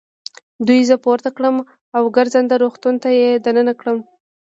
دوی زه پورته کړم او ګرځنده روغتون ته يې دننه کړم.